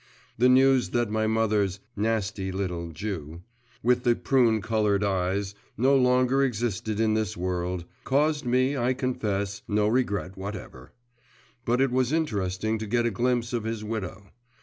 The news that my mother's 'nasty little Jew,' with the prune coloured eyes, no longer existed in this world, caused me, I confess, no regret whatever. But it was interesting to get a glimpse of his widow.